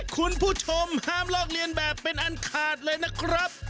คุณผู้ชมห้ามลอกเรียนแบบเป็นอันขาดเลยนะครับ